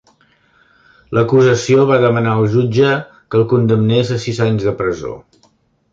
L"acusació va demanar al jutge que el condemnés a sis anys de presó.